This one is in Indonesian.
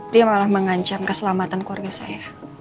dia malah mengancam keselamatan keluarga saya